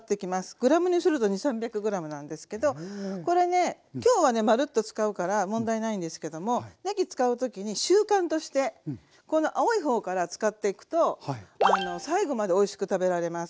グラムにすると２００３００ｇなんですけどこれね今日はねまるっと使うから問題ないんですけどもねぎ使う時に習慣としてこの青い方から使っていくと最後までおいしく食べられます。